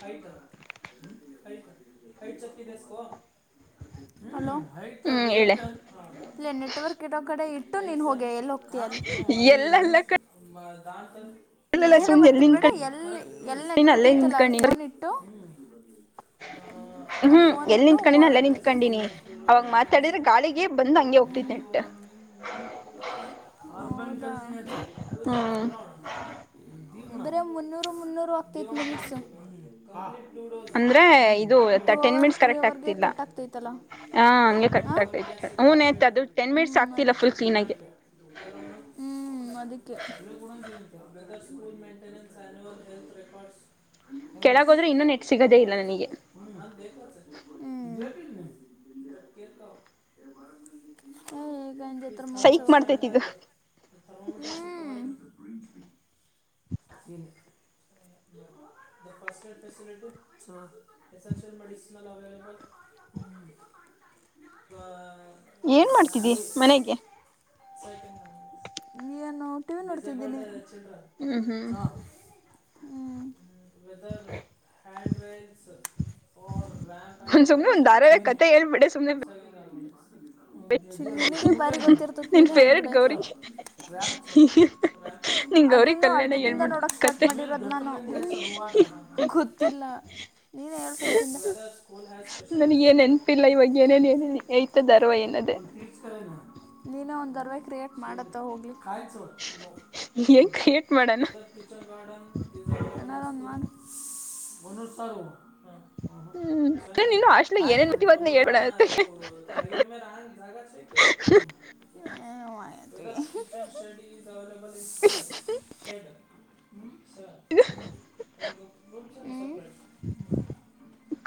ಹೆಟ್ [unintelligible] [unintelligible] ಹ್ಮ್ hello ಹೆಟ್ ಹ್ಮ್ ಹೇಳೆ ವೆಯಿಟ್ ಇಲ್ಲ ನೆಟ್ವರ್ಕ್ ಇರೋ ಕಡೆ ಇಟ್ಟು ನೀನ್ ಹೋಗಿ ಎಲ್ಲಿ ಹೋಗ್ತೀಯಾನ ಎಲ್ಲಲ್ಲ ಕಡೆ ಏನ ಎಲ್ಲಿ ಮತ್ತಬೇಡ ನಿಂತ್ಕೊಂಡಿನ ಎಲ್ಲಿ ಎಲ್ಲಿ ಅಲ್ಲೇ ಇರ್ಕ್ ೈತಲ್ಲ ಅಲ್ಲಿ ನಿಂತ್ಕೊಂಡಿನ ಫೋನ್ ಇಟ್ಟು [unintelligible] [unintelligible] ಅಂದ್ ಹ್ಮ್ ಫೋನ್ ಎಲ್ಲಿ ಇಟ್ಟು ನಿಂತ್ಕೊಂಡಿನ ಅಲ್ಲೇ ಹೂಗತ್ತೆಗೆ ನಿಂತ್ಕೊಂಡಿನಿ ಅವಾಗ ಮಾತಾಡಿದ್ರೆ ಗಾಳಿಗೆ ಬಂದ್ ಹಂಗೆ ಹೋಗ್ತಿತ್ ನೆಟ್ ಹ್ಮ ಹೌದ ಹ್ಮ್ [unintelligible] [unintelligible] ಬರೆ ಮುನ್ನೂರು ಮುನ್ನೂರು ಹೋಗ್ತ್ಯಾಎತ್ತೆ ಮಿನಿಟ್ಸು ಅಂದ್ರೆ ಇದು two ten over minutes three correct ಓವರ್ಗೆ ಆಗ್ತಿಲ್ಲ ಕಟ್ ಆಗ್ತೈತ್ತಲ್ಲ ಹಾ ಹಂಗೆ ಕರೆಕ್ಟ್ ಆಗ್ತೈತೆ ಹ್ಞೂ ನೆಟ್ ಅದು ಟೆನ್ ಮಿನಿಟ್ಸ್ ಹ್ಮ್ ಆಗ್ತಿಲ್ಲ ಅದಕ್ಕೆ ಫುಲ್ ಅ ಕ್ಲೀನಾಗಿ ತಣ [unintelligible] ಹ್ಮ್ ಅದಕ್ಕೆ........ ಕೆಳಗೋದ್ರೆ ಇನ್ನೂ ನೆಟ್ ಸಿಗೋದೇ ಇಲ್ಲ ನನಗೆ. ಹ. ಹ ಗಜತ್ರ ಸೈಕ್ ಮಹೋತ್ಸವ ಮಾಡ್ತೈತಿ ಇದು ಹ್ಮ್. ಹ [unintelligible] ಇನು [unintelligible] ಫಸ್ ಡ್ ಫೆಸಿಲಿಟಿ ಹ ಎಸೆನ್ಿಯಲ್ [inaudible] ಮೆಡಿಸಿನಲ್ ಅವೈಲೆಬಲ್ ಹ್ಮ್ ಅ. ಏನ್ ಮಾಡ್ತಿದ್ದಿ ಮನೆಗೆ. ಏನು ಟಿವಿ ನೋಡ್ತಿದ್ದೀನಿ. ಹ್ಮ ಹ್ಮ. ವೇದರ್. ಹ್ಯಾಂಡ ರೈಸ್ ತ ಒಂದ್ ರ್ಯಾಮಪ್ಯಾಂಡ್ ಸುಮ್ನೆ ಒಂದ್ ಅವೇಲೆಬಲ್ ಧಾರಾವಾಹಿ ನ. ಕತೆ ಹೇಳ್ಬಿಡೆ ಸುಮ್ನೆ ಸ [unintelligible] ನಿನಗೆ ಬಾರಿ ಗೊತ್ತಿರ್ತತ್ ನಿನ್ ನೀನೇ ಫೇವ್ರೇಟ್ ಹೇಳ್ಬಿಡೆ. ಗೌರಿ ನಿನ್ ಗೌರಿ ಅದನ್ನು ಕಲ್ಯಾಣ ಅರ್ಧ. ನಿಂದ ಹೇಳ್ಬಿಟ್ಟ ನೋಡಕ್ ಸ್ಟಾರ್ಟ್ ಕತೆ ಮಾಡಿರೋದ್ ನಾನು ಗೊತ್ತಿಲ್ಲ. ನೀನ ಹೇಳು ಫಸ್ಟ್ ಇಂದ. ನನಗ ಏನ್ ನೆನ್ಪಿಲ್ಲ ಇವಾಗ ಏನೇನ್ ಏನೇನ್ ಐತ ದಾರವ ಏನದೆ ನೀನೇ ಒಂದರ್ವೆ ಕ್ರಿಯೇಟ್ ಮಾಡತ್ತ ಹೋಗ್ಲಿ. ನೋ ಹ್ಮ್ ಹೀಟ್ ಮಾಡೋಣ. ಏನಾರಾ ಒಂದು ಮಾಡ..... ಹ [unintelligible] ಚ ಕಾಯ ರ ಹೇಳ್ಬೇಡ ಅಗ ರಾಣ ಜಾಗ ಚತ [unintelligible] ಹ್ಮ್ ಹ್ಮ್ ಹ್ಮ್ ಹ ಮಾಡಯು....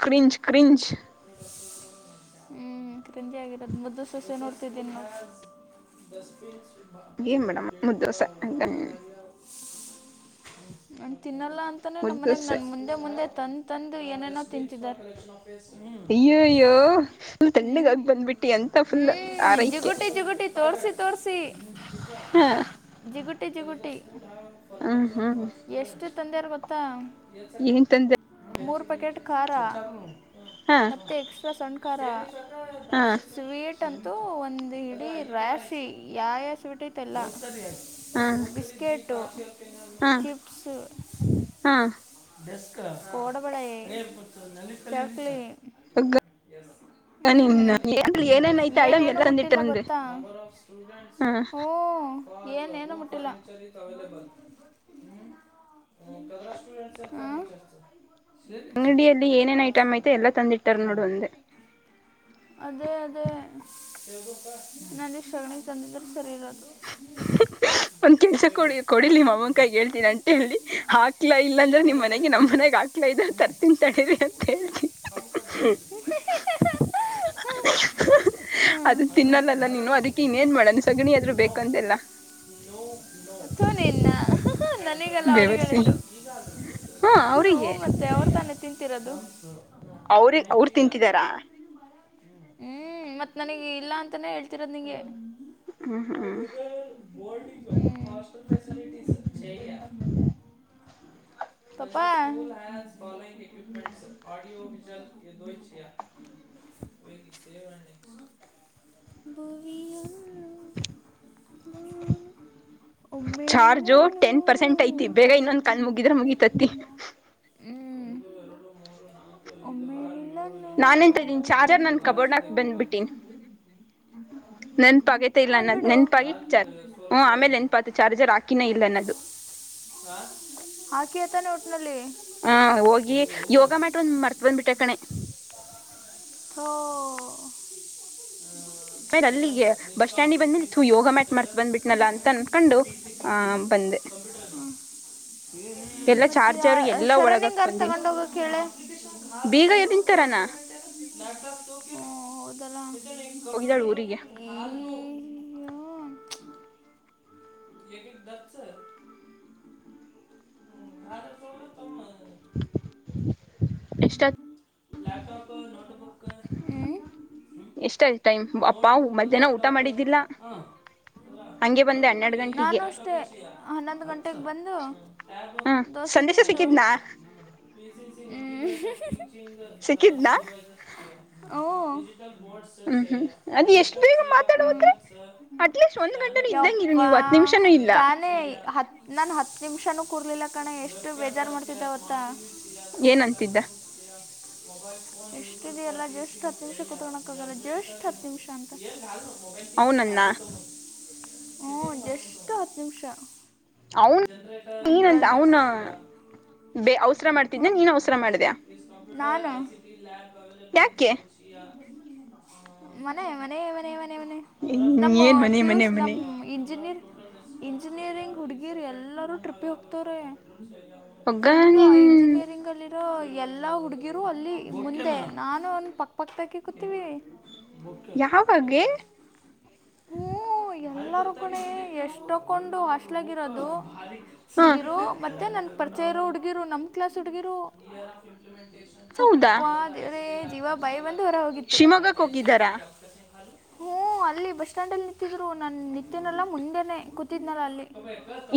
ಕ್ರಿಂಜ ಕ್ರಿಂಜ್ ಹ್ಮ್ ಕ್ರೇಜಿ ಆಗಿರೋದು ಮುದ್ದು ಸೊಸೆ ನೋಡ್ತಿದ್ದೀನ್ ನೋಡು. ಡಸ್ಟ್ ಬೀನ್ಸ್..... ಏನ್ ಮೇಡಮ್ ಮುದ್ದೋಸೆ ಅಂತ ನನ್ ತಿನ್ನಲ್ಲ ಅಂತಾನೆ ನಮ್ಮ ಮನೆಗ್ ಮುದ್ದೋಸೆ ನನ್ ಮುಂದೆ ಮುಂದೆ ತಂದ್ ತಂದ್ ಏನೇನೋ ತಿಂತಿದಾರ. ಅಯ್ಯೋಯ್ಯೋ ಫುಲ್ ಹ್ಮ ತಣ್ಣಗಾಗಿ ಬಂದ್ಬಿಟ್ಟಿ ಅಂತ ಫುಲ್ ಹ್ಮ್ ಆರೈಕೆ ಜಿಗುಟಿ ಜಿಗುಟಿ. ತೋರಿಸಿ ತೋರಿಸಿ ಹ ಜಿಗುಟಿ ಜಿಗುಟಿ..... ಹ್ಮ್ ಹ್ಮ್ ಎಷ್ಟು ತಂದೆಯರು ಗೊತ್ತಾ. ಏನ್ ತಂದೆ ಮೂರು ಪ್ಯಾಕೆಟ್ ಖಾರ ಹಾ ಮೆ ಎಕ್ಸ್ಟ್ರಾ ಸಣ್ಣ್ ಖಾರ. ಹಾ ಸ್ವೀಟ್... ಟ್ಟಂತೂ ಒಂದ್ ಇಡೀ ರಾಶಿ ಯಾ ಯಸ್ಟ್ಟತ್ ಎಲ್ಲ. ಹಾ ಬಿಸಕೆಟೋ ಚಿಪ್ಸ್. ಹಾ ಕೋಡಬಳೆ ಚಕ್ಲಿ. ಹಗ. ಎಲ್ಲ [unintelligible] ಏನೇನ್ ಹ್ಮಞ ಐತೆ ಐಟಮ್ ಎಲ್ಲ ಏನೇಏನು ತಂದಿಟ್ಟಾರ ಮುಟ್ಟಿಲ್ಲ ಅಂದೆ ಗೊತ್ತಾ ಹ ಹ್ಞೂ. ಏನ್ ಏನ ಮುಟ್ಟಿಲ್ಲ. ಹಾ ಸರಿ ಸ [unintelligible] ಅಂಗಡಿಯಲ್ಲಿ ಏನೇನ್ ಐಟಮ್ ಐತೆ ಎಲ್ಲಾ ತಂದಿಟ್ಟಾರ ನೋಡು ಅಂದೆ ಅದೇ ಅದೇ [unintelligible] ನನ್ನ ಶಗಣಿ ತಂದಿದ್ದ ಸರಿಗ ಆತು. ಹ ಒಂದ್ ಕೆಲ್ಸ ಕೊಡಿ ಕೊಡಿ ನಿಮ್ಮ ಅಮ್ಮನ ಕೈ ಹೇಳ್ತೀನಿ ಅಂಟಿ ಹೇಳಿ ಹಾಕ್ಲ ಇಲ್ಲ ಅಂದ್ರೆ ನಿಮ್ ಮನ್ಯಾಗೆ ನಮ್ಮ್ ಮನೆಗ್ ಹಾಕ್. ಕ್ಲಾ ಇದ ತರ್ತಿನ ತಡೀರಿ ಅಂತ ಹೇಳ್ತಿ ಹೇ [unintelligible] ಅದ ತಿನ್ನಲ್ಲಲ್ಲ ನೀನು ಅದಿಕ್ಕೆ ಇನ್ನೇನ್ ಮಾಡಣ ಸಗಣಿ ಆದ್ರು ಬೇಕಂದ್ಯಲ್ಲ. ಥೂ ನಿನ್ನ ಹ ನನಗಲ್ಲ ಅವ್ರಿಗ್ ಬೇವರ್ಸಿ ಹೇಳಿದ್ದು [unintelligible] ಹಾ ಹ್ಮ್ ಅವ್ರಿಗೆ ಮತ್ ತೆ ಅವ್ರ ತಾನೇ ತಿಂತಿರೋದು. ಅವ್ರಿಗ್ ಅವ್ರ ತಿಂತಿದಾರ. ಹ್ಮ್ ಮತ್ತ್ ನನಿಗ್ ಇಲ್ಲ ಅಂತಾನೇ ಹೇಳ್ತಿರೋದ್ ನಿಂಗೆ [unintelligible] ಹ್ಮ್ ಹ್ಮ್ ಹ್ಮ್ [unintelligible] ಪಪ್ಪಾ [unintelligible] [unintelligible] ಸೇವ್ ಆಂಡ್ ನೆಸ್ಟ್. ಭುವಿಯಾ ಮೋಡ ಒಮ್ಮೆ ಚಾರ್ಜು ನಿನ್ನನ್ನು ಟೆನ್ ಪರ್ಸೆಂಟ್ ಐತಿ ಬೇಗ ಕಂಡ್ ಇನ್ನೊಂದ್ ಕಾಲ್ ತುಂಬಾ ಮುಗಿದ್ರೆ ಮುಗಿತತಿ [unintelligible] ಹ್ಮ್ ಒಮ್ಮೆ ನಿನ್ನ್ ನಾನ್ ನೀನ್ [unintelligible] ಚಾರ್ಜರ್ ನನ್ ಕಬೋಡ್ನಾಕ್ ಬಂದ್ಬಿಟ್ಟಿನಿ. ನೆನ್ಪ ಆಗೇತ ಇಲ್ಲ ಹಾಂ ನ ಬಿಡು ನೆನ್ಪಾಗಿಚ್ಚಾರ್ ಹ್ಮ್ ಆಮೇಲ ನೆನ್ಪಾತ್ ಚಾರ್ಜರ್ ಹಾಕಿನೇ ಇಲ್ಲ ಅನ್ನದು. ಹಾಕಿಯ ತಾನೆ ಒಟ್ನಲ್ಲಿ. ಹ ಹೋಗಿ ಯೋಗ ಮ್ಯಾಟ್ ಒಂದ್ ಮರ್ತ್ ಬಂದ್ಬಿಟ್ಟೆ ಕಣೆ. ಥೋ [unintelligible] ಆಮೇಲೆ ಅಲ್ಲಿಗೆ ಬಸ್ ಸ್ಟ್ಯಾಂಡಿಗೆ ಬಂದ್ಮೇಲೆ ಥು ಯೋಗ ಮ್ಯಾಟ್ ಮರ್ತ್ ಬಂದ್ಬಿಟ್ನಲ್ಲ ಅಂತ ಅನ್ಕೊಂಡು ಆ ಬಂದೆ ಕಂಪ್ಯೂಟರ್ ಹ್ಮ್. ಎಲ್ಲ ಮತ್ತ ಚಾರ್ಜರ್ ಯಾರ್ ಅ ಎಲ್ಲಾ ಒಳಗಾಕ್ ಶರಣಿಂಗಾರ್ ಬಂದೀನಿ ತಗೊಂಡ ಹೋಗಕ್ ಹೇಳೇ. ಬೀಗ ಎಲ್ಲಿನ್ ತರಾನ [unintelligible] ಹ್ಮ್ ಹೌದಲ್ಲ ಈ ಹೋಗಿದ್ದಾಳ ಊರಿಗೆ ಏಕಿದ ಡಚ್ಚ. ಅದನ್ ತೊಂಬಾ ತಮ್ಮ. ಎಷ್ಟಕ. ಲಾಪ್ಟಾಪ್ [unintelligible] ನೋಟ್ಬುಕ್ ಹ್ಮ್. ಎಷ್ಟಯ್ತು ಟೈಮ್ ಅಪ್ಪಾವು ಮಧ್ಯಾಹ್ನ ಊಟ ಮಾಡಿದ್ದಿಲ್ಲ. ಹಂಗೆ ಬಂದೆ ಹನ್ನೆರಡು ನಾನು ಗಂಟೆಗೆ ಅಷ್ಟೆ ಹನ್ನೊಂದು ಗಂಟೆಗ ಬಂದು. ಹ್ಮ ದೋಸೆ ಸಂದೇಶ ತಿಂದು. ಸಿಕ್ಕಿದ್ನಾ [unintelligible] ಹ್ಮ್ ಸಿಕ್ಕಿದ್ನಾ [unintelligible] ಹ್ಮ್ ಹ್ಮ್ ಹ್ಮ್ ಅದ್ ಎಷ್ಟ್ ಬೇಗ ಮಾತಾಡೋದ್ರೆ ಅಟ್ಲೀಸ್ಟ್ ಒಂದ್ ಗಂಟೆನೂ ಇದ್ದಂಗಿಲ್ ಯಪ್ಪಾ ನೀವು ಹತ್ ನಿಮಿಷನೂ ಇಲ್ಲ ತಾನೇ ಹತ್ ನಾನು ಹತ್ತ ನಿಮಿಷಾನೂ ಕುರ್ಲಿಲ್ಲ ಕಣೆ ಎಷ್ಟು ಬೇಜಾರು ಮಾಡ್ತಿದ್ದ ಗೊತ್ತಾ. ಏನಂತಿದ್ದ. ಎಷ್ಟಿದಿಯಾ ಅಲ್ಲ ಜಸ್ಟ್ ಹತ್ತ ನಿಮಿಷ ಕೂತಕಣಕ್ ಆಗಲ್ಲ ಜಸ್ಟ್ ಹತ್ತ ನಿಮಿಷ ಅಂತ. ಹ್ಮ ಏ ನಾನು ಮೊಬೈಲ್ ಟೇಕಿಂಗ್ ಅವನನ್ನ ಹ್ಮ್ ಜಷ್ಟ್ ಹತ್ತ ನಿಮಿಷ ಅವನ್ ಜನರೇಟರ್ ನೀನಂತ ಅವನ [unintelligible] ಬೇ ಅವಸರ ಮಾಡ್ತಿಂದ್ನ ನೀನ್ ಅವಸರ ಮಾಡದ್ಯಾ. ನಾನ [unintelligible] ಯಾಕೆ [unintelligible] ಮನೆ ಮನೆ ಮನೆ ಮನೆ ಮನೆ. ನಮ್ಮ ಏನ್ ಮನೆ ಪಿ. ಯೂ. ಮನೆ ಸ್ ನಮ್ ಮನೆ ಇಂಜಿನಿಯರ್ ಇಂಜಿನಿಯರಿಂಗ್ ಹುಡುಗಿರು ಎಲ್ಲರೂ ಟ್ರಿಪ್ ಹೋಗ್ತವ್ರೆ ಒಗ್ಗ ಫುಲ್ಲು ನಿನ್ ತಿಂಗಲ್ಲಿ ಇರೋ ಎಲ್ಲಾ ಹುಡ್ಗಿರು ಅಲ್ಲಿ ಮುಂದೆ ನಾನು ಅವ್ನು ಪಕ್ ಪಕ್ದಗೇ ಕೊಂತೀವಿ ಓಕೆ ಯಾವಾಗೆ ಹ್ಞೂ ಎಲ್ಲರ ಕಣೇ ಎಷ್ಟೊ ಕೊಂಡು ಹಾಸ್ಟ್ಲ್ಗ್ ಇರೋದು ಹ ಹುಡ್ಗಿರು ಮತ್ತೆ ನನ್ ಪರಿಚಯ ಇರೋ ಹುಡ್ಗಿರು ನಮ್ ನಮ್ ಕಾಲ್ಸ್ ಹುಡುಗೀರು ಹೌದಾ ಚಪ್ಪ ದೇವ್ರೇ ಜೀವ ಬಾಯಿಗ್ ಬಂದು ಹೊರ ಹೋಗಿತ್ತು. ಶಿವಮೊಗ್ಗಕ್ ಹೋಗಿದ್ದಾರಾ ಹ್ಮ್ ಅಲ್ಲಿ ಬಸ್ ಸ್ಟ್ಯಾಂಡ್ ಅಲ್ಲಿ ನಿಂತಿದ್ರು ನಾನ್ ನಿಂತನಲ್ಲ ಮುಂದೆನೆನಾನ್ ಕೂತಿದ್ನಲ್ಲ ಅಲ್ಲಿ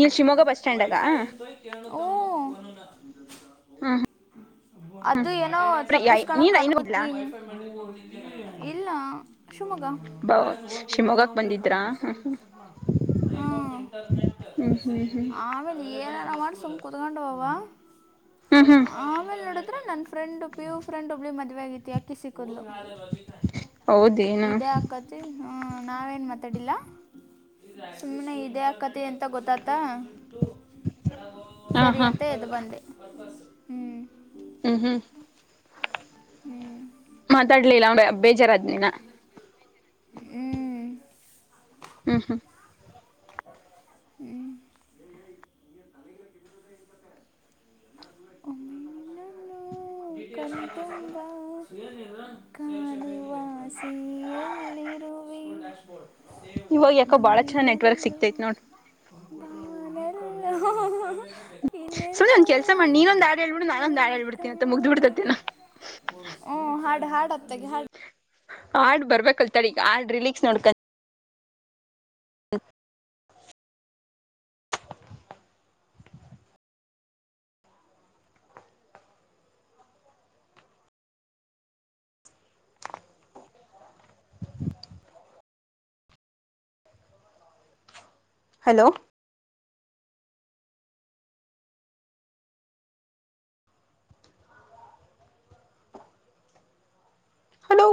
ಈ ಶಿವಮೊಗ್ಗ ಬಸ್ ಸ್ಟ್ಯಾಂಡಾಗ? ಹ್ಮೂ ಹ್ಮ ಅದು ಏನೋ ತಪ್ಪುಸ್ಕೋಣ ನೀನ್ ಇಲ್ಲ ಕಣ್ಮುತ್ವಿ ಇಲ್ಲಾ ಶಿವಮೊಗ್ಗ. ಬ ಯಾರೆ ಹೋಗತ್ತಾತಿನೊ ಶಿವಮೊಗ್ಗಕ್ ಬಂದಿದ್ರಾ ಹ್ಮ್ [inaudible] ಹ್ಮ ಹ್ಮ್ ಹ್ಮ್ ಹ್ಮ್ ಅಮೇಲ್ ನೀ ಏನಾರ ಮಾಡಿ ಸುಮ್ನ್ ಕುತ್ಕೊಂಡೊವಾವ ಹ್ಮ್ ಹ್ಮ್ ಹ್ಮ್ ಆಮೇಲೆ ನೋಡುದ್ರೆ ನನ್ನ್ ಫ್ರೆಂಡ್ ಪಿ. ಯು. ಫ್ರೆಂಡಿಗ್ ಒಬ್ಳಿಗೆ ಮದ್ವೆ ಹಾಗೖತಿ ಆಕಿ ಸಿಕ್ಕಿದಲು ಹೌದೇನು ಇದೇ ಹಾಕಾತಿ ಹ್ಮ ನಾವೇನ್ ಮಾತಾಡಿಲ್ಲ ಸುಮ್ನೆ ಇದೇ ಹಾಕತಿ ಅಂತ ಗೊತ್ತಾತ್ತ. ಹ ಸರಿ ಹಾ ಅಂತ ಎದ್ ಬಂದೆ. ಹ್ಮ್ ಹ್ಮ್ ಹ್ಮ್ ಹ್ಞೂ ಮಾತಾಡ್ಲಿಲ್ಲ ಬೇ ಬೇಜಾರಾದ್ನೆನ ಹ್ಮ್ಮ ಹ್ಮ್ ಹ್ಮ್ ಹ್ಮ್ ಒಮ್ಮೆ ನಿನ್ನನ್ನು.. ನ್ನು ಕಾಣ್ಣ್ತುಂಬ ಕಾಣುವಾಸೆಯಲ್ಲಿರುವೆ. ವೆ. ಭೂವಿಯಲು ಆತ್ ನೋಡ್ರಿ [unintelligible] ಬಾನಲೋ.... ಸುನಿ ಒಂದ್ ಕೆಲ್ಸ ಮಾಡ್ ನೀನೊಂದು ಹಾಡ್ ಹೇಳ್ಬಿಡು ನಾನೊಂದು ನನ್ನ ಹೇಳ್ಬಡ್ತೀನಿ ಮತ್ತ ಮುಗ್ದ್ ಬಿಡ್ತೇತೇನ ಹ್ಮ್ ಹಾಡ್ ಹಾಡ್ ಹಾಡತ್ತಾಗಿ ಹಾಡ್ ಹಾಡ್ ಬರ್ಬೇಕಲ್ಲ ತಾಡಿ ಹಾಡ್ ರಿಲೀಕ್ಸ್ ನೋಡ್ಕೋನ್ ಅ [inaudible] ಹಲೋ ಹಲೋ